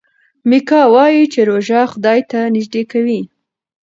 میکا وايي چې روژه خدای ته نژدې کوي.